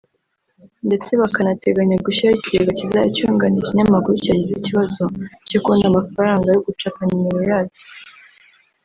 ndetse bakanateganya gushyiraho ikigega kizajya cyunganira ikinyamakuru cyagize ikibazo cyo kubona amafaranga yo gucapa nimero yacyo